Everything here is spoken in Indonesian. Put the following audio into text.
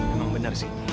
emang bener sih